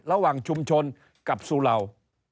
ระหว่างชุมชนกับสุราว